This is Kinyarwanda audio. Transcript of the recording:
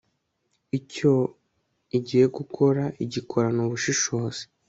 icyo igiye gukora igikorana ubushishozi